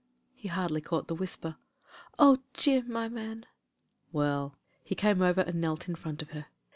"— he hardly caught the whisper. "Oh, Jim ! my man." "Well " he came over and knelt in front of her.